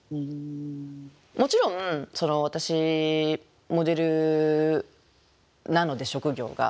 もちろん私モデルなので職業が。